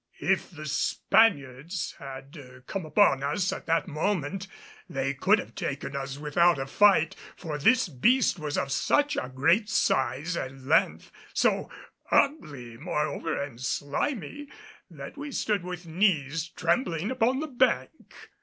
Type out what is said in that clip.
If the Spaniards had come upon us at that moment, they could have taken us without a fight, for this beast was of such a great size and length, so ugly moreover and slimy, that we stood with knees trembling upon the bank.